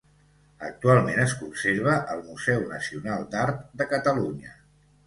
Actualment es conserva al Museu Nacional d'Art de Catalunya.